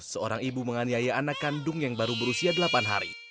seorang ibu menganiaya anak kandung yang baru berusia delapan hari